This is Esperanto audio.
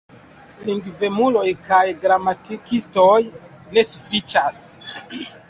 Lingvemuloj kaj gramatikistoj ne sufiĉas.